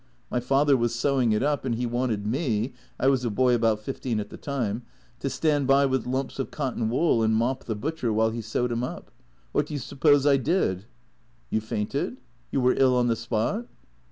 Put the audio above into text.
My father was sewing it up, and he wanted me — I was a boy about fifteen at the time — to stand by with lumps of cotton wool and mop the butcher while he sewed him up. What do you suppose I did?" "You fainted? — You were ill on the spot?"